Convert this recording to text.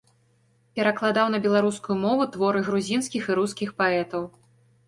Перакладаў на беларускую мову творы грузінскіх і рускіх паэтаў.